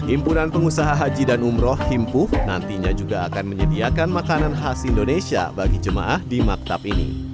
impunan pengusaha haji dan umroh himpuv nantinya juga akan menyediakan makanan khas indonesia bagi jemaah di maktab ini